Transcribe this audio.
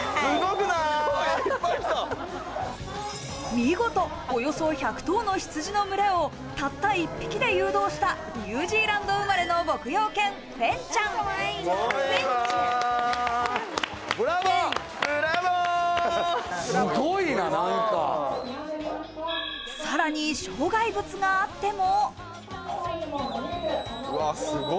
見事およそ１００頭の羊の群れをたった１匹で誘導したニュージーランド生まれの牧羊犬フェンちゃん。さらに障害物があっても。